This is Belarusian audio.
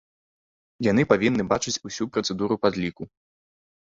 Яны павінны бачыць усю працэдуру падліку.